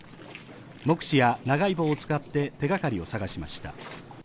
目視や長い棒を使って手がかりを探しました。